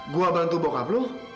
gue bantu bok abloh